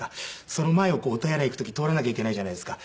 その前をお手洗い行く時通らなきゃいけないじゃないですか。